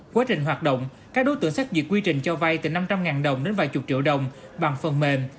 quá trình hoạt động các đối tượng xác duyệt quy trình cho vay từ năm trăm linh đồng đến vài chục triệu đồng bằng phần mềm